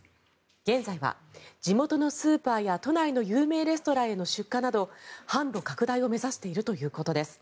現在は地元のスーパーや都内の有名レストランへの出荷など販路拡大を目指しているということです。